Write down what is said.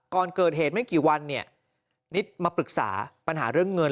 ก่อนเกิดเหตุไม่กี่วันเนี่ยนิดมาปรึกษาปัญหาเรื่องเงิน